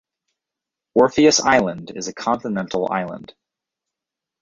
Orpheus Island is a continental island.